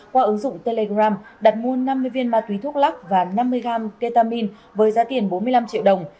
qua ứng dụng telegram đặt mua năm mươi viên ma túy thuốc lắc và năm mươi gram ketamine với giá tiền bốn mươi năm triệu đồng